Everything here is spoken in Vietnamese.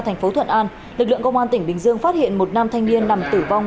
thành phố thuận an lực lượng công an tỉnh bình dương phát hiện một nam thanh niên nằm tử vong